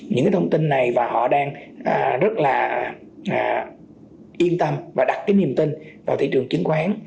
những thông tin này và họ đang rất yên tâm và đặt niềm tin vào thị trường kiến khoán